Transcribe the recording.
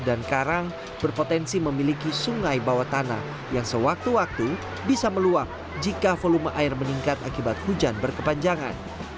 dan karang berpotensi memiliki sungai bawah tanah yang sewaktu waktu bisa meluap jika volume air meningkat akibat hujan berkepanjangan